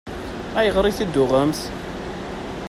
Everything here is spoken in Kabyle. Ayɣer i t-id-tuɣemt?